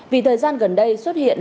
vì thời gian gần đây xuất hiện